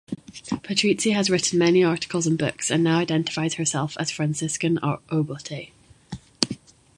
Patrizi has written many articles and books and now identifies herself as Franciscan Oblate.